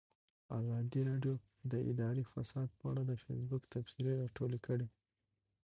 ازادي راډیو د اداري فساد په اړه د فیسبوک تبصرې راټولې کړي.